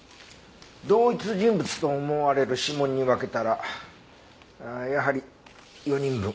同一人物と思われる指紋に分けたらやはり４人分。